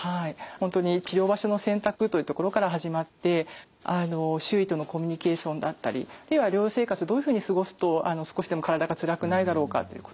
本当に治療場所の選択というところから始まって周囲とのコミュニケーションだったり療養生活をどういうふうに過ごすと少しでも体がつらくないだろうかっていうこと。